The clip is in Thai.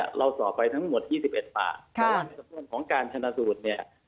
ส่วนส่วนส่วนส่วนส่วนส่วนส่วนส่วนส่วนส่วนส่วนส่วนส่วนส่วนส่วนส่วนส่วนส่วนส่วนส่วนส่วนส่วนส่วนส่วน